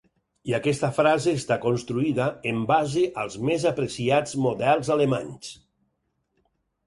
I aquesta frase està construïda en base als més apreciats models alemanys.